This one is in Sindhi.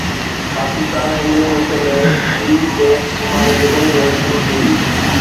پاڪستان ۽ انگلينڊ وچ ۾ ٻي ٽيسٽ سڀاڻي دبئي ۾ شروع ٿيندي